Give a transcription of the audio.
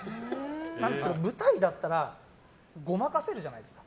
でも舞台だったらごまかせるじゃないですか。